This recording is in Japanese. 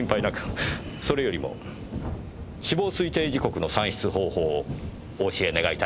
それよりも死亡推定時刻の算出方法をお教え願いたいのですが。